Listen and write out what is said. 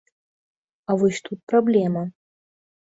А вось тут праблема.